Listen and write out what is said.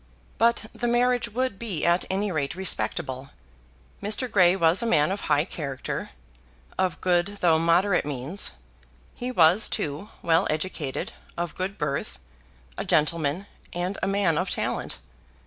But the marriage would be at any rate respectable. Mr. Grey was a man of high character, of good though moderate means; he was, too, well educated, of good birth, a gentleman, and a man of talent.